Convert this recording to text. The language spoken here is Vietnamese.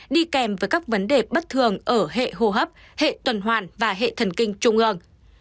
đi kèm với các vấn đề bất thường ở hệ hô hấp hệ tuần hoàn và hệ thần kinh trung ương